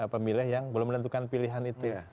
pemilih yang belum menentukan pilihan itu